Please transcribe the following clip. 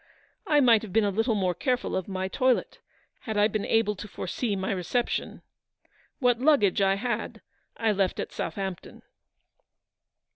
I might have been a little more careful of my toilet, had I been able to foresee my reception. What luggage I had I left at Southampton